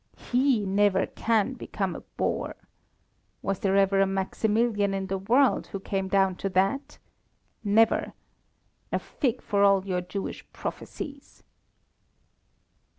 He never can become a boor. Was there ever a Maximilian in the world who came down to that? Never! A fig for all your Jewish prophesies!"